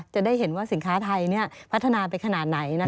จะได้เห็นว่าสินค้าไทยพัฒนาไปขนาดไหน